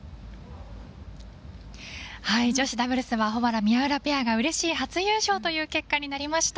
女子ダブルスは保原・宮浦ペアがうれしい初優勝という結果になりました。